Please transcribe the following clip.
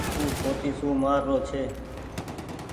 او سوٽي سون مآر رو ڇي۔